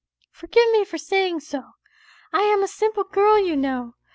" Forgive me for saying so, I am a simple girl you know.